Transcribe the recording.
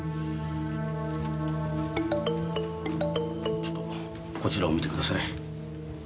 ちょっとこちらを見てください。